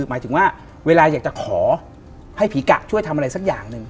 หมายถึงว่าเวลาอยากจะขอให้ผีกะช่วยทำอะไรสักอย่างหนึ่ง